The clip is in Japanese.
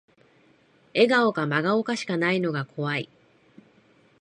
笑顔か真顔しかないのが怖い